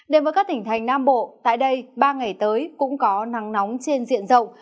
đến với các tỉnh thành nam bộ tại đây ba ngày tới cũng có nắng nóng trên diện rộng